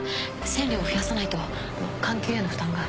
線量増やさないと管球への負担が。